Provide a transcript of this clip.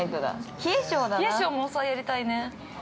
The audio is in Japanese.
◆冷え性も、やりたいね。